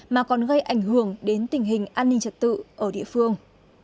mà còn gây ảnh hưởng đến tình hình an ninh trật tự ở địa phương